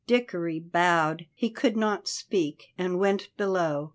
Dickory bowed he could not speak and went below.